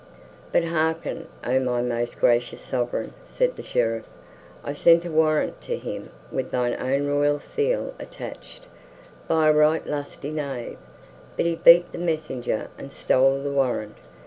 "But hearken, O my most gracious Sovereign," said the Sheriff. "I sent a warrant to him with thine own royal seal attached, by a right lusty knave, but he beat the messenger and stole the warrant.